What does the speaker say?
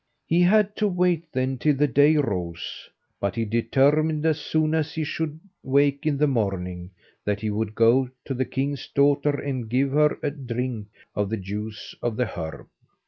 He had to wait, then, till the day rose; but he determined, as soon as he should wake in the morning, that he would go to the king's daughter and give her a drink of the juice of the herb.